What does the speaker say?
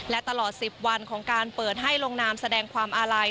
และตลอด๑๐วันของการเปิดให้ลงนามแสดงความอาลัย